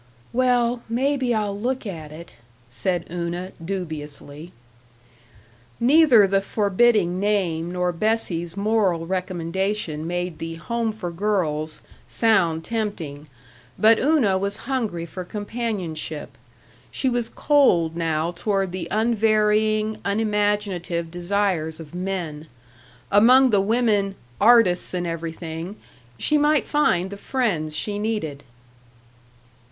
"Well, maybe I'll look at it," said Una, dubiously. Neither the forbidding name nor Bessie's moral recommendation made the Home for Girls sound tempting, but Una was hungry for companionship; she was cold now toward the unvarying, unimaginative desires of men. Among the women "artists and everything" she might find the friends she needed.